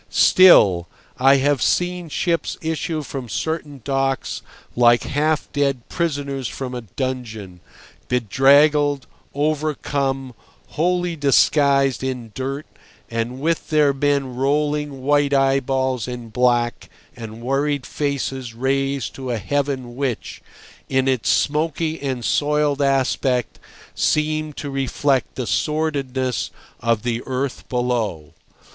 Still, I have seen ships issue from certain docks like half dead prisoners from a dungeon, bedraggled, overcome, wholly disguised in dirt, and with their men rolling white eyeballs in black and worried faces raised to a heaven which, in its smoky and soiled aspect, seemed to reflect the sordidness of the earth below.